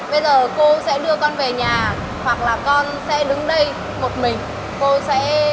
bây giờ cô sẽ đưa con về nhà hoặc là con sẽ đứng đây một mình